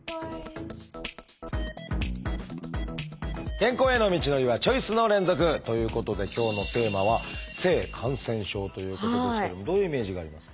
健康への道のりはチョイスの連続！ということで今日のテーマはどういうイメージがありますか？